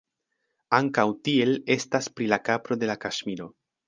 Ankaŭ tiel estas pri la kapro de la Kaŝmiro.